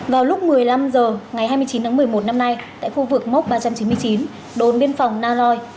vào lúc một mươi năm h ngày hai mươi chín tháng một mươi một năm nay tại khu vực mốc ba trăm chín mươi chín đồn biên phòng na loi